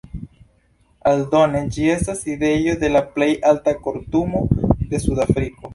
Aldone ĝi estas sidejo de la plej alta kortumo de Sudafriko.